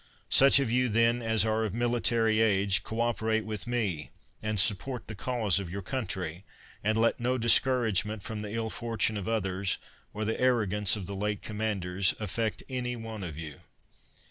Such of you, then, as are of military age, cooperate with me, and support the cause of your country; and let no discour agement, from the ill fortune of others, or the arrogance of the late f»,ommanders, affect any 11 4 4& THE WORLD'S FAMOUS ORATIONS one of you.